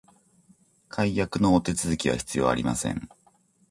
解約のお手続きは必要ありません